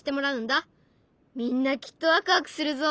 みんなきっとワクワクするぞ。